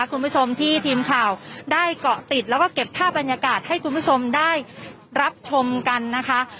คุณผู้ชมที่ทีมข่าวได้เกาะติดแล้วก็เก็บภาพบรรยากาศให้คุณผู้ชมได้รับชมกันนะคะ